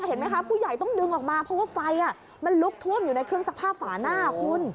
เห็นไหมคะผู้ใหญ่ต้องดึงออกมาเพราะว่าไฟมันลุกท่วมอยู่ในเครื่องซักผ้าฝาหน้าคุณ